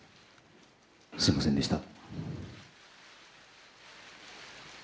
すみませんでした。